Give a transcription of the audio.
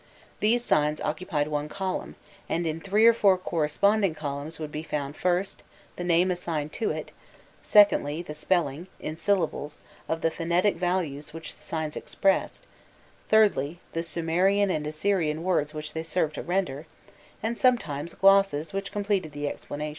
These signs occupied one column, and in three or four corresponding columns would be found, first, the name assigned to it; secondly, the spelling, in syllables, of the phonetic values which the signs expressed, thirdly, the Sumerian and Assyrian words which they served to render, and sometimes glosses which completed the explanation.